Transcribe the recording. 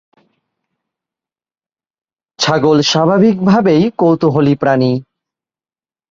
ছাগল স্বাভাবিকভাবেই কৌতূহলী প্রাণী।